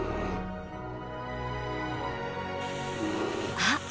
あっ！